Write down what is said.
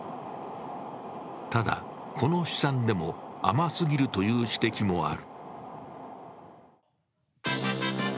ただ、この試算でも甘すぎるという指摘もある。